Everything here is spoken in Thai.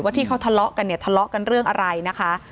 ที่เขาทะเลาะกันเนี่ยทะเลาะกันเรื่องอะไรนะคะ